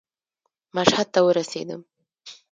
مشهد ته ورسېدم.